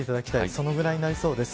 そのぐらいになりそうです。